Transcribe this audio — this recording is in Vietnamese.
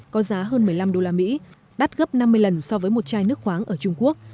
có giá hơn một mươi năm đô la mỹ đắt gấp năm mươi lần so với một chai nước khoáng ở trung quốc